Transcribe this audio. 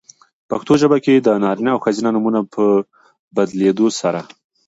پښتو ژبه کې د نارینه او ښځینه نومونو په بدلېدو سره؛